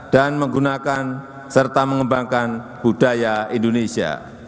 dan menggunakan serta mengembangkan budaya indonesia